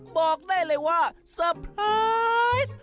บอกได้เลยว่าไฮดาสต์